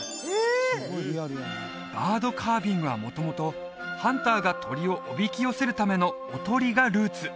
バードカービングは元々ハンターが鳥をおびき寄せるためのおとりがルーツ